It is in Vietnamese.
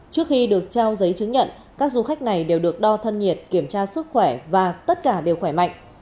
trước khi được trao giấy chứng nhận các du khách này đều được đo thân nhiệt kiểm tra sức khỏe và tất cả đều khỏe mạnh